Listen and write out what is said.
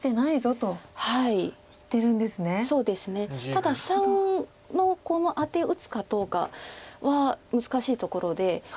ただ③のこのアテ打つかどうかは難しいところで。